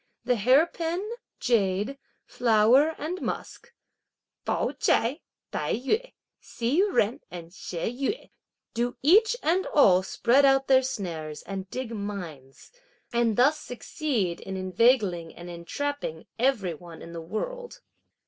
The hair pin, jade, flower and musk (Pao ch'ai, Tai yü, Hsi Jen and She Yüeh) do each and all spread out their snares and dig mines, and thus succeed in inveigling and entrapping every one in the world."